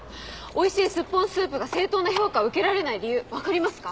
おいしいスッポンスープが正当な評価を受けられない理由分かりますか？